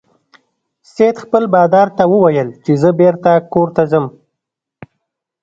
سید خپل بادار ته وویل چې زه بیرته کور ته ځم.